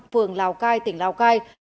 phường lào cai tỉnh lào cai